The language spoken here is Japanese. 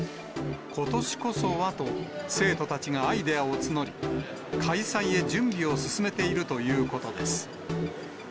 ことしこそはと、生徒たちがアイデアを募り、開催へ準備を進めているということです。